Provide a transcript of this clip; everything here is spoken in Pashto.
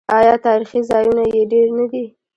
آیا تاریخي ځایونه یې ډیر نه دي؟